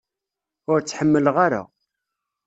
Ur tt-ḥemmleɣ ara.